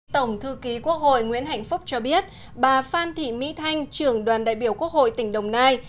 tổng thư ký quốc hội nguyễn hạnh phúc cho biết bà phan thị mỹ thanh trưởng đoàn đại biểu quốc hội tỉnh đồng nai